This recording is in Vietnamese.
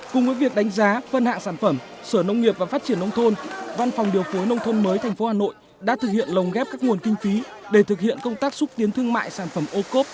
cùng với việc đánh giá phân hạng sản phẩm sở nông nghiệp và phát triển nông thôn văn phòng điều phối nông thôn mới tp hà nội đã thực hiện lồng ghép các nguồn kinh phí để thực hiện công tác xúc tiến thương mại sản phẩm ô cốp